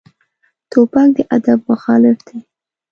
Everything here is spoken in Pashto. توپک د ادب مخالف دی.